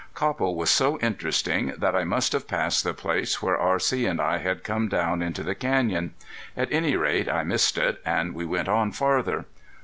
Copple was so interesting that I must have passed the place where R.C. and I had come down into the canyon; at any rate I missed it, and we went on farther.